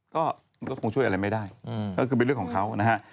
ก็มันก็คงช่วยอะไรไม่ได้ก็คือเป็นเรื่องของเขานะฮะ